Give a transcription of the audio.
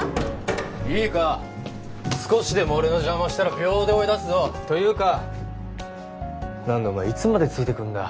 いいか少しでも俺の邪魔をしたら秒で追い出すぞというか何だお前いつまでついてくんだ？